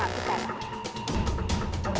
๓๘บาท